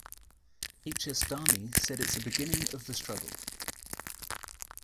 H S Dhami said it's a beginning of the struggle.